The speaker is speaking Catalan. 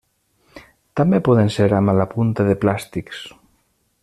També poden ser amb la punta de plàstics.